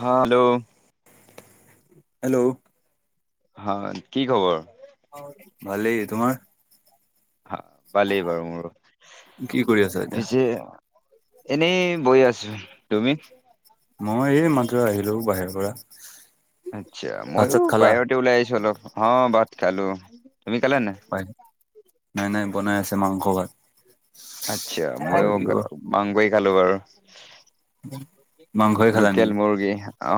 হা hello hello হয়। কি খবৰ? ভালেই। তোমাৰ? হ ভালেই বাৰু মোৰ কি কৰি আছা এতিয়া? পিছে এনেই বহি আছো। তুমি? মই এই মাত্ৰ আহিলো বাহিৰ পৰা। আচ্ছা ভাত ময়ো চাত খালা? বাহিৰতে ওলাই আহিছো অলপ হ ভাত খালো তুমি খালা নাই হয় নাই নাই বনাই আছে মাংস ভাত আচ্ছা খাব মই লাগিব। মাংসই খালো বাৰু মাংসই খালা লোকেল নেকি মুৰ্গী অ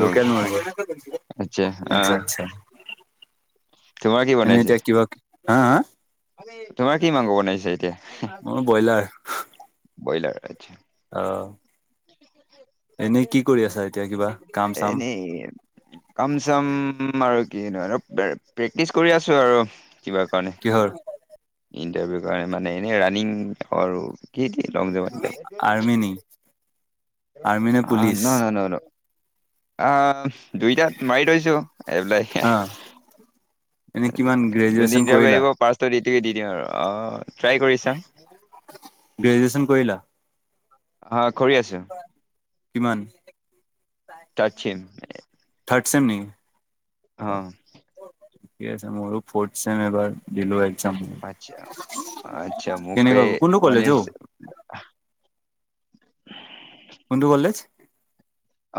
লোকেল মুৰ্গী আচ্ছা আহ তোমাৰ কি এনে বনাই ছে এতিয়া কিবা হা হা। তোমাৰ কি মাংস বনাইছে এতিয়া মোৰ ব্ৰইলাৰ আ আহ এনেই কি কৰি আছা এতিয়া কিবা কাম চাম এনেই কাম চাম আৰু কি প্ৰেক্টিচ কৰি আছো আৰু। কিবা কাৰনে। কিহৰ? ইণ্টাৰভিউৰ কাৰণে মানে এনেই ৰানিং আৰু আৰ্মি নি? আৰ্মি [unintelligible] নে পুলিচ? আহ দুইটাত মাৰি থৈছো এপ্লাই হা এনে কিমান যোন গ্ৰেজুৱেচন ইনটাৰভিউ কৰিলা? আহিব ফাষ্ট সেইটো দিওঁ আৰু আহ ট্ৰাই কৰি চাও। গ্ৰেজুয়েচন কৰিলা? অ কৰি আছো কিমান? থাৰ্ড চেম ছেম নেকি? অ ঠিক আছে মোৰ ফৰ্থ ছেম এবাৰ দিলো আৰু আচ্ছা আচ্ছা মোক কেনেকুৱা এই কোনটো কলেজ [inaudible] অ? কোনটো কলেজ?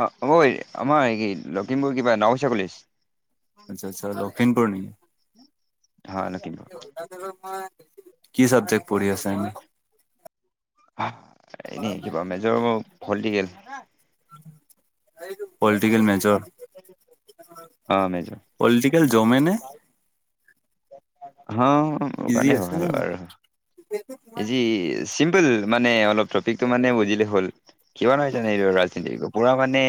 অ অই আমাৰ লখিমপুৰ কিবা নাওবৈচা কলেজ। আচ্ছা আচ্ছা লখিমপুৰ। হয় নেকি [unintelligible] কি চাবজেক্ট পঢ়ি আছা এনে? এনে কিবা মেজৰ পলিটিকেল পলিটিকেল মেজৰ অ মেজৰ পলিটিকেল জমে নে অ মোৰ ইজি কাৰণে আছে ভাল জানো? আৰু ইজি চিম্পুল মানে অলপ টপিকটো মানে বুজিলে হ'ল কিমান [unintelligible] ৰাজনীতি পুৰা মানে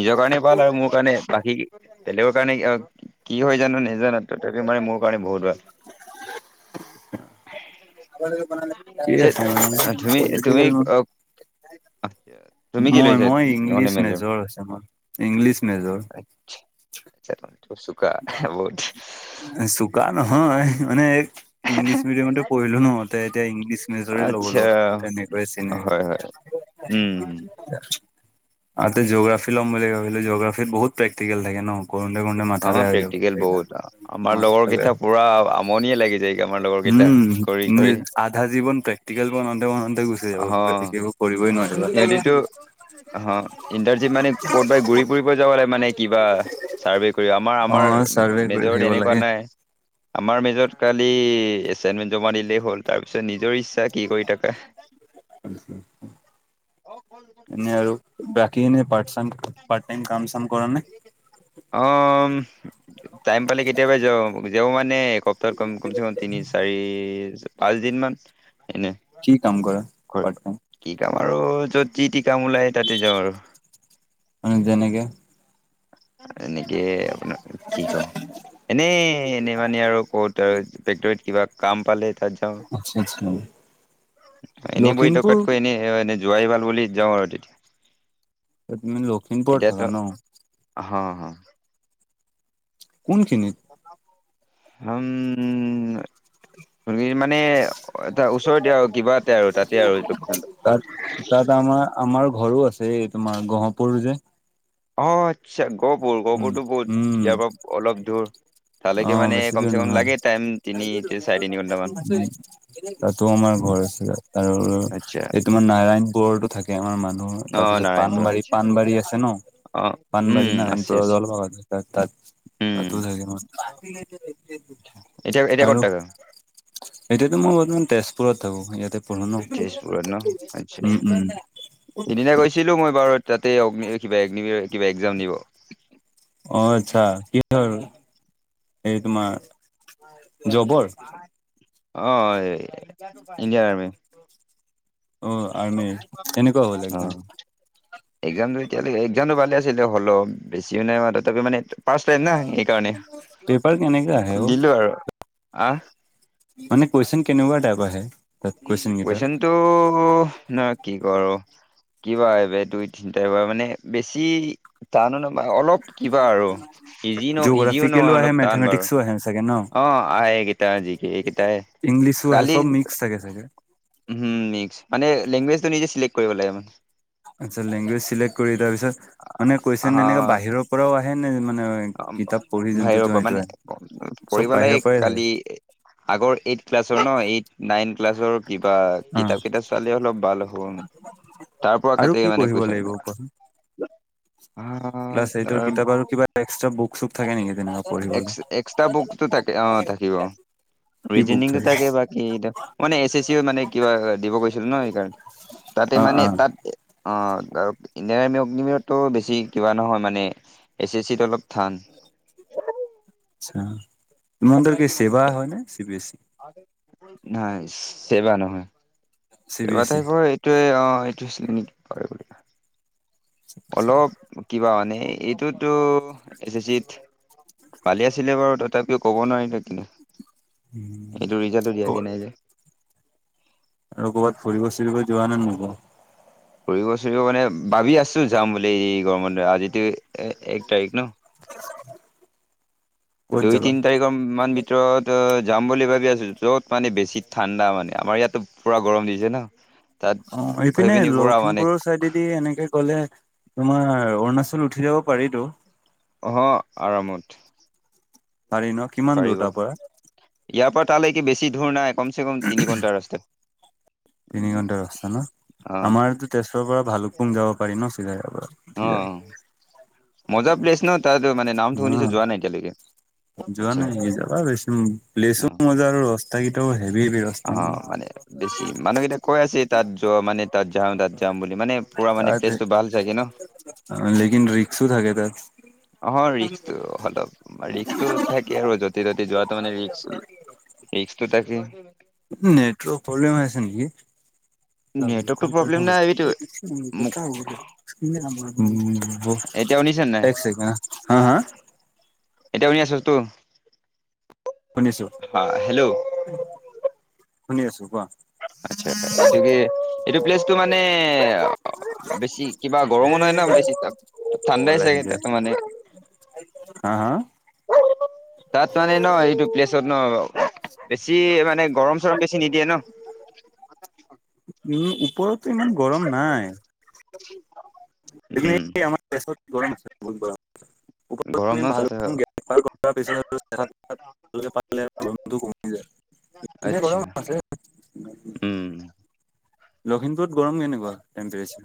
নিজৰ কাৰণে ভাল আৰু মোৰ কাৰণে বাকী তেলেগৰ কাৰণে কি হয় জানো নেজানো তথাপি মানে মোৰ কাৰণে বহুত ভাল [inaudible] কি আছে মানে তুমি তুমি পলিটিকেল [unintelligible] তুমি কি মই লৈছা মই মানে ইংলিছ মেজৰ ন আছে মোৰ। ইংলিছ মেজৰ, [inaudible] চুকা নহয় মানে ইংলিছ মিডিয়ামতে পঢ়িলো ন এতিয়া ইংলিছ মেজৰে ল'ব আচ্ছা লগা তেনেকৈয়ে চিন হয় হয় উম তাতে জিঅগ্ৰাফি লম বুলি ভাবো জিঅোগ্ৰাফিৰ বহুত প্ৰেক্টিকেল থাকে ন কৰোতে কৰোতে মা [unintelligible] অ প্ৰেক্টিকেল বহুত আমাৰ লগৰ বেয়া কেইটা পুৰা আমনিয়ে লাগি যায় আমাৰ লগৰ কেইটা উম, কৰি কৰি পঢ়োতে মেলোতে গুচি যাব অ প্ৰেক্টিকেল কৰিবই ইহঁতিতো নোৱাৰিবা অ ইণ্টাৰজি মানে ক'তবাই ঘুৰি ফুৰিব যাব লাগে মানে কিবা চাৰ্ভে কৰিব আমাৰ আমাৰ অ', চাৰ্ভে [unintelligible] কৰি মেজৰ থাকিব এনেকুৱা লাগে। নাই আমাৰ মেজত কালি এচাইনমেন্ট জমা দিলেই হ'ল তাৰ পিছত নিজৰ ইচ্ছা কি কৰি থাকা আতছা [unintelligible] এনে আৰু বাকি খিনি এনে পাৰ্ট টাইম কাম চাম কৰো অ টাইম পালে কেতিয়াবা যাও যও মানে ক কমচে কম তিনি চাৰি পাঁচ দিন মান এনে কি কাম কৰা কৰিব পাৰট কি কাম আৰু যত যি টি কাম ওলায় তাতে যাওঁ আৰু মানে যেনেকে [unintelligible] এনেকে আপোনাৰ কি কম এনে এনে মানে আৰু কত আৰু ফেক্টৰীত কিবা কাম পালে তাত যাও আচ্ছা আচ্ছা এনেই বহি লখিমপুৰ থকাতকৈ এনে সেই মানে যোৱাইভাল বুলি যাওঁ আৰু তেতিয়া তুমি লখিমপুৰত এতিয়াতো থাকা ন হ হ কোনখিনিত আম ভিৰ মানে এটা ওচৰতে আৰু কিবাটে আৰু তাতে আৰু লকেচনতো তাত তাত আমাৰ আমাৰ ঘৰো আছে এই তোমাৰ গহপুৰ যে অ আচ্ছা গহপুৰ উম, গহপুৰতো বহুত উম, ইয়াৰ পৰা অলপ দূৰ অ তালৈকে মানে বেছি দূৰ কমচে কম নহয় লাগে টাইম তিনি চাৰে তিনি ঘন্টামান তাতো আমাৰ ঘৰ আছিল আৰু আচ্ছা এইটোমাৰ নাৰায়ণ পোৰতো থাকে আমাৰ মানুহ অ তাৰপিছত নাৰায়ণপুৰ পানবাৰী আচ্ছা পানবাৰী আছে ন অ উম পানবাৰি আছে নাৰায়নপুৰত আছে অলপ আগত তাত উম তাতো থাকে মানুহ এতিয়া এতিয়া ক'ত আৰু থাকা এতিয়াতো মই বৰ্তমান তেজপুৰত থাকো ইয়াতে পঢ়ো ন উ উ সদিনা গৈছিলো মই বাৰু তাতে অ্ কিবা এগজ কিবা এক্জাম দিব অ আচ্ছা কি বাৰু এইটো জবৰ তোমাৰ পাৰা অ এই ইণ্ডিয়া আৰ্মি অ আৰ্মিৰ এনেকুৱা হ'ল অ একজাম এক্জামটো এতিয়ালকে এক্জামতটো ভালে আছিলে হলে বেছিও নাই ম তাপি মানে ফাচতাইম না সেইকাৰণে পেপাৰ কেনেকে আহে অ দিলো আৰু আহ মানে কইচন কেনেকুৱা টাইপৰ আহে তাত কুৱেশন কেইটা কুৱেশচনতো ন কি কৰো কিবা এইব দুই তিনিটাবা মানে বেছি তানো নাই অলপ কিবা আৰু ইজি ন ইজিও জিঅ'গ্ৰাফিকেলো নহয় আহে অলপ টান বাৰু মেথমেটিক্সো আহে চাগে ন অ আহ কেইটাজিকে এই কেটাই ইংলিছো আহে কালি চব মিক্স থাকে চাগে উহ নিচ লেংগুৱেজটো নিজে চিলেক্ট কৰিব লাগে মানে আচ্ছা লেংগুৱেজ চিলেক্ট কৰি তাৰপিছত মানে কৈছন এনেকে বাহিৰৰ পৰাও আহে নে মানে অ কিতাপ পঢ়ি যোনটো বাহিৰৰপৰা যোৱা পৰা সেইটো মানে আহে? চব কৰিব বাহিৰৰ লাগে পৰাই থাকে কালি আগৰ এইট ক্লাছৰ ন এইট নাইন ক্লাছৰ কিবা অ কিতাপ কিতাপ চালে অলপ ভাল হ'ব মানে তাৰ পৰা আৰু কাতে কি মানে পঢ়িব কৈছেন লাগিব কোৱাচোন? ক্লাছ এইটৰ কিতাপ আৰু কিবা তেকচ এক্স‌ এক্সট্ৰা বুকটো থাকে অ থাকিব কি বুক ৰিজনিংটো থাকে? তাকে বাকী মানে এছ এছ চি মানে কিবা দিব গৈছিলো ন সেইকাৰণ তাতে অ মানে অ তাত অ আৰু ইণ্ডিয়ান আৰ্মি অগ্নিমো বেছি কিবা নহয় মানে এইচ এছ চিত অলপ থান আচ্ছাচেৱা হয় নে চি বি ই? নাই চেবা নহয় চি বি চেবা এছ ই ক এইটোয়ে অ অ এইটোৱেই চিগনিগ পাৰ বুলি কয় আচ্ছা অলপ কিবা মানে এইটোতো এচ চিত পালি আছিলে বাৰু তথাপিও ক'ব নোৱাৰিলে কিনো উম এইটো ৰিজাটো দিয়াকে ক'ত নাই যে উম ফুৰিব চুৰিব মানে ভাবি আছো যাম বুলি এই গৰম আজিতো এক তাৰিখ ন- ক'ত দুই যাবা? তিনি তাৰিখৰ মান ত যাম বুলি ভাবি আছো য'ত মানে বেছি ঠাণ্ডা মানে আমাৰ ইয়াতো পুৰা গৰম দিছে ন। তাত অ গৈ এইপিনে পিনি পুৰা মানে লখিমপুৰৰ চাইডেদি এনেকে- কলে তোমাৰ অৰুণাচল উঠি যাব পাৰিতো। আহ আৰামত পাৰি ন কিমান দূৰ পাৰিব তাৰ পৰা- ইয়াৰ পৰা তালৈকে বেছি ধূৰ নাই কমচে কম তিনি ঘণ্টা ৰাস্তাত- তিনি ঘণ্টা ৰাস্তা ন- অ আমাৰতো তেজপুৰৰ পৰা ভালুকপুং যাব পাৰি ন চিধাই পৰা অ উঠি যায় মজা প্লেছ ন তাত মানে নামটো অ শুনিছো যোৱা নাই এতিয়ালৈকে যোৱা আচ্ছা নাই যাবা বেছ প্লেছো অ মজা আৰু ৰাস্তা কেইটাও। হেভি হেভি ৰাস্তা অ মানে বেছি মানুহকেইটা কৈ আছে তাত যোৱা মানে তাত যওঁ তাত যাম বুলি মানে- পুৰা মানে তাত প্লেছটো ভাল চাগে ন- লেকিন ৰিক্সো থাকে তাত। অ ৰিক্কটো অলপ ৰিক্কটো থাকে আৰু য'তে ত'তে যোৱাত- মানে ৰিক্কটো ৰিক্কটো থাকে। নেটৱৰ্ক প্ৰব্লেম আছে নেকি? [unintelligible] উ নেটৱৰ্কটো প্ৰব্লেম নাই এইটো মোক ব এতিয়া শুনিছা নাই এক চেকেণ্ড হা হা। এতিয়া শুনি আছে তো-। শুনিছো শুনি আছো কোৱা! তটো মানে-। বেছি কিবা এ গৰমো নহ ন বেছি তাত ঠাণ্ডাই কল আহি চাগে যায় তাত মানে-। হা হা। তাত মানে ন এইটো প্লেচত ন বাৰু-। বেছি মানে গৰম চৰম বেছি নিদিয়ে ন-। উম ওপৰতো ইমান গৰম নাই। উম আমাৰছত গৰম আছে বহুত গৰম গৰম আ। মি ন ভাল তাতে গ্ৰে্তাৰ কৰাৰ পিছত। পালে বন্ধু কমি যায়। এনে আচ্ছা গৰম আছে উম। লখিমপুৰত গৰম কেনেকুৱা টেম্পপৰ।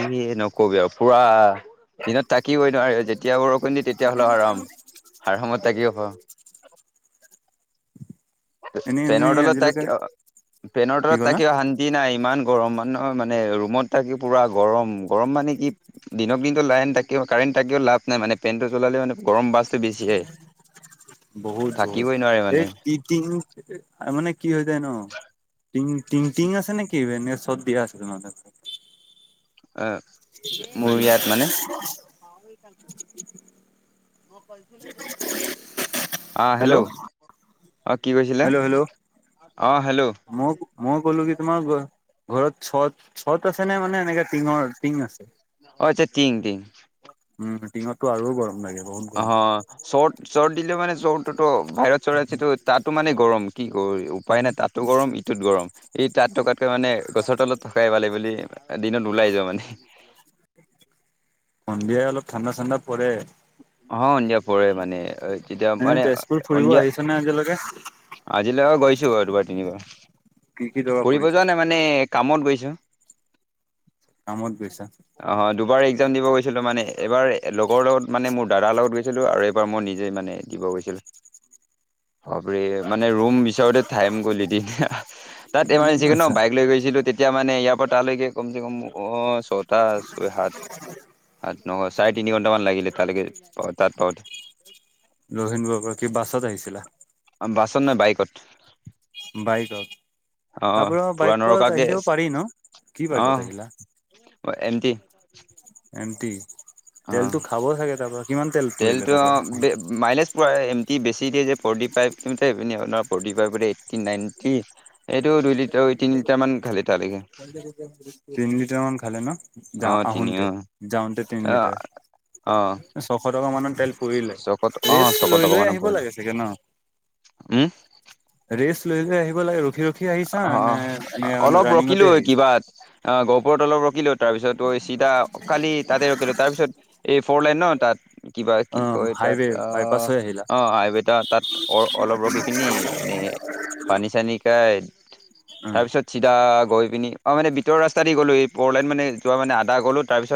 এ নকবি আৰু পুৰা দিনত থাকিবই নোৱাৰি যেতিয়া। কেতিয়া বৰষুণ দি তেতিয়া হ'লেও আৰাম আৰামত থাকি হব। এনেই তুমি পেনৰলত আজিলৈকে তাকি অ কি পেনডলত ক'লা? তাকি শান্তি নাই ইমান। গৰম মানেহয় মানে ৰুমত থাকে পুৰা গৰম গৰম মানে কি দিনক দিনতো লাইন থাকে কাৰেণ্ট-। তাকি লা নাই মানেনটো চলালেওানে-। গৰম বাছতটো বেছিহে বহুত বহুত থাকিবই নোৱাৰে এই মানে। টি টিং মানে কি হৈ যায় ন টিং টিং টিং আছে নেকি? কি চৰ্ দিয়া আছিল ম। আহ মোৰ ইয়াত মানে। আহ হেল্ল'। অ কি কৈছিলে হেল্ল' হেল্ল' অ হেল্ল' মই মই ক'লো কি তোমাক। ঘৰত চত। চত আছে নে মানে এনেকে টিঙৰ টিং আছে অ আচ্ছা টিং টিং উম-। দিনতো আৰু গৰম লাগে। বহুত গৰম অ চৰ্ট চৰ্ট দিলে মানে চৰটোতো বাহিৰত চৰ আছেটো তাতো মানে গৰম। কি কৰ উপায় নাই তাতো গৰম ইটোত গৰম এই তাঁতো টকাতকৈ মানে গছৰ তলত থকাই পালে বুলি। দিনত ওলাই যাোৱা মানে। সন্ধিয়া অলপ ঠাণ্ডা ঠাণ্ডা পৰে। অ সন্ধিয়া পৰে মানে যেতিয়া এনে মানে তেজপুৰ ফুৰিব সন্ধিয়া আহিছ নে আজিলৈকে? আজিলৈকে গৈছো বাৰ দুবাৰ তিনিবাৰ, কি কি জেগা ফুৰিব ফুৰিছা? যোৱা নাই মানে কামত গৈছো কামত গৈছা? অ দুবাৰ। দিব গৈছিলোঁ মানে এইবাৰ লগৰ লগত মানে মোৰ দাদাৰ লগত গৈছিলোঁ আৰু এইবাৰ মই নিজেই মানে দিব গৈছিলোঁ। [unintelligible] হয়। মানে ৰুম বিচৰতে ঠাইম গ'ল এদিন তাত এমাৰ্জেঞ্চিৈ ন আচ্ছা বাইক লৈ গৈছিলোতিয়া। এতিয়া মানে ইয়াৰ পৰা তালৈকে কমচ কম অ ছটা ছয় সাত। নহয় চাৰে তিনি ঘন্টামান লাগিলে তালৈকে তাত পাওঁতে। লহীন বগৰ কি বাছত আহিছিলা। বাছত নাই বাইকত। বাইকত অ তাৰপ পুৰা বাইকত নৰকাকে আহি যাব পাৰি ন কি বাইকত আহিলা। অ এমতি। এমটি। অ পৰিলে তেলটো তাৰ পৰা আহোঁতে? মাইলেজ পৰা এম বেছি। ফি নটি এইটো দুই লিটাৰ। কামান খালি। তালৈকে তিনি লিটাৰ মান খালে ন। যা অ তিনি আহোতে অ যাওঁতে তিনি অ লিটাৰ অ ছশ টকা মানত। তেল লৈ চকত অ চকত লৈ অকমানো আহ পৰিলে লাগে চাগে ন। উম লৈ লৈ আহিব লাগে ৰখি ৰখি আহিছা? নে এনে মানে ৰানিঙত কিবা অ গপুৰৰ তলৰ ৰকিলো তাৰপিছত চিধা কালি তাতে ৰখিলো তাৰপিছত এই ফৰ লাইন ন তাত কিবা অ কি কয় তাত হাইৱে বাইপাছ আহ হৈ আহিলা? অ আইবত তাত অ অলপ ৰখি পিনি এনেই পানী চানী খাই অ তাৰপিছত চিধা গৈ পিনি অ মানে ভিতৰ ৰাস্তাই দি গ'লো এই পৰলাই মান য মানে আদা গ'লো তাৰপিত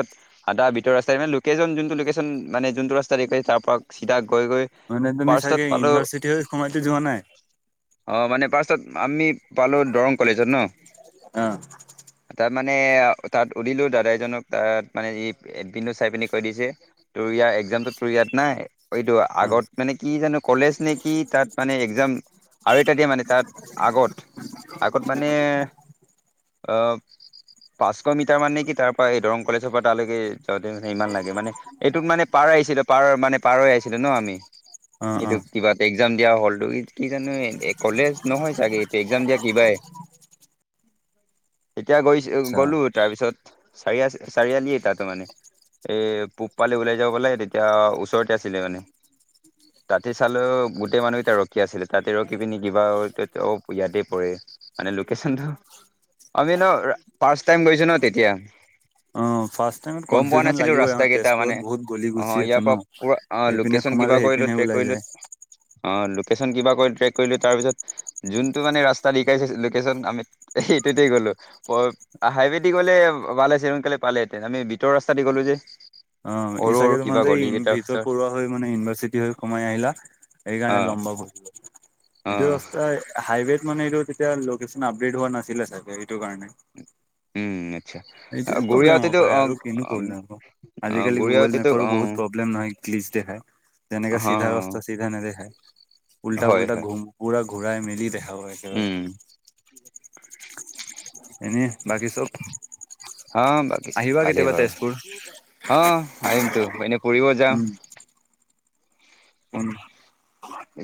আদা ভিতৰ ৰাস্তাই মানে লোকেচন যোনটো লোকেশ্যন মানে যোনটো ৰাস্তা দেছে তাৰ পৰা চিধা গৈ গৈ মানে [inaudible] তুমি চাগে পালো ইউনিভাৰ্চিটি হৈ সোমাইতো যোৱা নাই? অ মানে পাছত আমি পালো দৰং কলেজত ন। আহ। তাৰ মানে তাত সুধিলোঁ দাদা এজনক তাত মানে ই এবিনু চাই পিনি কৈ দিছে ত একজামত তোৰ ইয়াত নাই এইটো অ', আগত মানে কি জানো কলেজ নে কি তাত মানে একজাম আৰু এটা দিয়ে মানে তাত আগত আগত মানে আহ। পাঁচশ মিটাৰ মানে কি তাৰ পৰা এই দৰং কলেজৰ পৰা তালৈকে যাওঁতে মে ইমান লাগে। মানে এইটোক মানে পাৰ পাৰ আহিছিলো পাৰ মানে পাৰ আহিছিলো ন আমি অ', এইটো অ', কিবা এটা এক্জাম দিয়া হ'লতো কি কি জানো এ কলেজ নহয় চাগে এইটো এক্জাম দিয়া দিবাই এতিয়া গৈছ আচ্ছা। গলো তাৰপিছত চাৰ আ চাৰিআলি এটা তাৰমানে। এ পূব পালি ওলাই যাব পালে তেতিয়া ওচৰতে আছিলে মানে। তাতে চালোও গোটেই মানুহ এটা ৰখি আছিলে তাতে ৰখি পিনি কিবা অ ইয়াতে মানে লোকেশ্যনটো আমি ন ফাৰ্ষ্ট টাইম গৈছো ন তেতিয়া। অ', ফাৰ্ষ্ট টাইমত গম পোৱা কনফিউজন নাছিলো লাগিবই ৰাস্তা আৰু কেইটা তেজপুৰত মানে বহুত গলি গুচি আহ আছে ইয়াৰ ন। পৰা পুৰা অ এইপিনে লোকেশ্যন কিবা সোমালে কৰিলো সেইপিনে ট্ৰে ওলাই কৰিলো। যায়। অ লোকেশ্যন কিবা কৰি ট্ৰেক কৰিলো তাৰিছত যোনটো মানে ৰা [unintelligible] লেচন আমি সেইটোতে গলো হাইৱে দি গ'লে ভাল আছে সোনকালে। পালেহেঁতেন আমি ভিতৰৰ ৰাস্তা দি গ'লো যে। অ সৰু সৰু চাগে তোমাৰ কিবা গলি কেইটাৰ ভিতৰত [inaudible] পিছত পঢ়োৱা হৈ মানে ইউনিভাৰ্চিটি হৈ সোমাই আহিলা। অ সেইকাৰণে লম্বা হল। এইটো অ ৰাস্তা হাইৱেত মানে এইটো তেতিয়া লোকেশচন আপডেট হোৱা নাছিলে চাগে সেইটো কাৰণে। উম আচ্ছা এইটোৱে ঘূৰি প্ৰব্লেম হ'ব আহোঁতেটো পাৰে অ আৰু কিনো অ প্ৰব্লেম হ'ব। আজিকালি গুগল গৰিয়াৱতেতো মেপৰো বহত প্ৰব্লেম নহয় ক্লিচ দেখাই যেনেকে হ চিধা অস্তা চিধা নেদেখায়। উল্টা হয় পুল্টা হয় ঘ পুৰা ঘূৰাই মেলি দেখা হয় উম একেবাৰে। এনেই বাকী চব হ বাকি চব আহিবা ভালেই কেতিয়াবা বাৰো, তেজপুৰ হ আহম তো ফুৰিব যাম। উম।